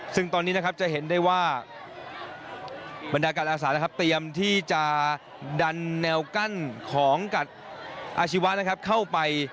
ซึ่งตอนนี้นะครับจะเห็นได้ว่าบรรดาการอาสานะครับเตรียมที่จะดันแนวกั้นของกัดอาชีวะนะครับเข้าไป